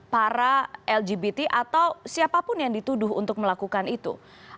para lgbt atau siapapun yang dituduh untuk melakukan itu